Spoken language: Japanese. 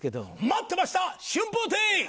待ってました春風亭！